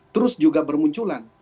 terus juga bermunculan